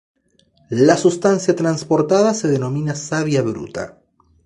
La sustancia transportada se denomina savia bruta.